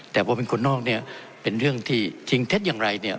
แต่ว่าเป็นคนนอกเป็นเรื่องที่จริงเท็จอย่างไร